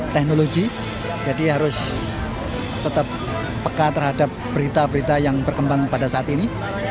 teknologi jadi harus tetap peka terhadap berita berita yang berkembang pada saat ini